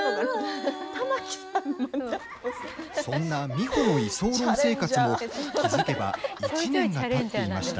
そんな美穂の居候生活も気付けば１年がたっていました。